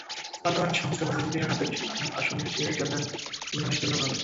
পার্লামেন্টে সংস্কারপন্থীদের হাতে বেশি আসন এসে গেলেই তিনি অনেক স্বচ্ছন্দ হবেন।